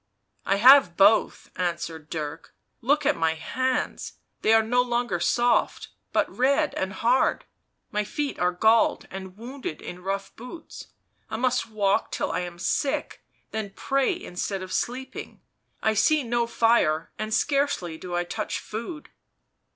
" I have both," answered Dirk. " Look at my hands — they are no longer soft, but red and hard ; my feet are galled and wounded in rough boots — I must walk till I am sick, then pray instead of sleeping ; I see no fire, and scarcely do I touch food."